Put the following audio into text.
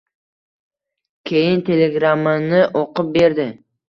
Keyin, telegrammani o‘qib berdi: